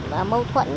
có nhiều mâu thuẫn